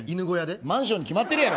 マンションに決まってるやろ！